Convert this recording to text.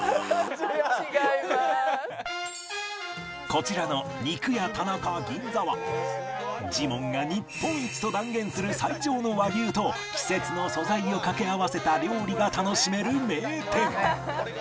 こちらの肉屋田中銀座はジモンが日本一と断言する最上の和牛と季節の素材を掛け合わせた料理が楽しめる名店